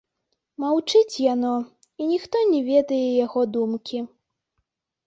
Маўчыць яно, і ніхто не ведае яго думкі.